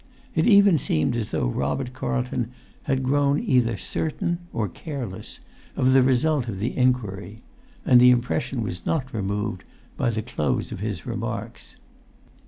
It even seemed as though Robert Carlton had grown either certain, or careless, of the result of the inquiry—and the impression was not removed by the close of his remarks.